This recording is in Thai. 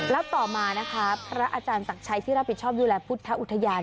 แล้วต่อมานะคะพระอาจารย์ศักดิ์ชัยที่รับผิดชอบดูแลพุทธอุทยาน